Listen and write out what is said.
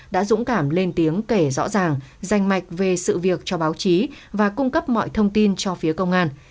đã dũng cảm lên tiếng kể rõ ràng dành mạch về sự việc cho báo chí và cung cấp mọi thông tin cho phía công an